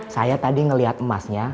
saya tadi ngeliat emasnya